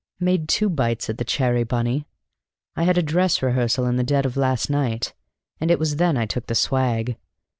"Made two bites at the cherry, Bunny! I had a dress rehearsal in the dead of last night, and it was then I took the swag.